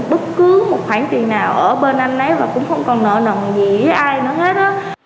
bất cứ một khoản tiền nào ở bên anh ấy cũng không còn nợ nồng gì với ai nữa hết